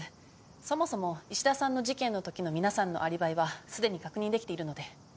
そもそも衣氏田さんの事件のときの皆さんのアリバイはすでに確認できているので。